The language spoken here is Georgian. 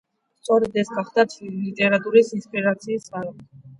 სწორედ ეს გახდა ლიტერატურული ინსპირაციის წყარო.